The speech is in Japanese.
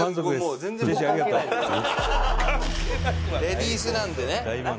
「レディースなんでね」